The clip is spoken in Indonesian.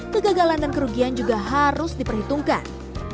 kegagalan dan kerugian juga harus diperhitungkan